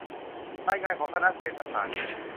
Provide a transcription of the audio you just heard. รายงานของคณะเศรษฐศาสตร์นี้